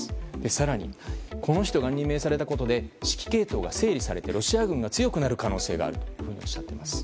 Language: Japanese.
更に、この人が任命されたことで指揮系統が整理されてロシア軍が強くなる可能性があるとおっしゃっています。